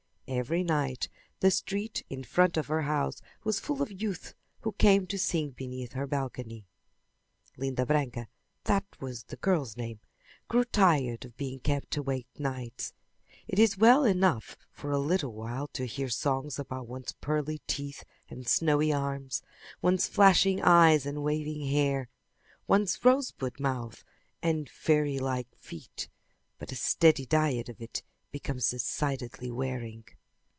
Every night the street in front of her house was full of youths who came to sing beneath her balcony. Linda Branca, that was the girl's name, grew tired of being kept awake nights. It is well enough for a little while to hear songs about one's pearly teeth and snowy arms, one's flashing eyes and waving hair, one's rosebud mouth and fairylike feet; but a steady diet of it becomes decidedly wearing.